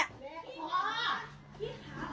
ยอดค่ะ